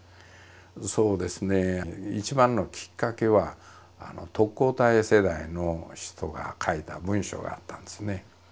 そうですね一番のきっかけは特攻隊世代の人が書いた文章があったんですね。